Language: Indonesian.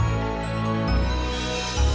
kau akan menemukan kebaikanmu